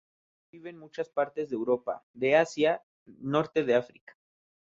Esta especie vive en muchas partes de Europa, de Asia, norte de África.